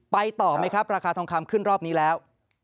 ต่อไหมครับราคาทองคำขึ้นรอบนี้แล้ว